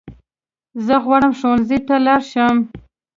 زه غواړم ښوونځی ته لاړ شم